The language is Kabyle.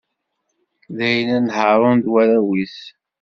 D ayla n Haṛun d warraw-is.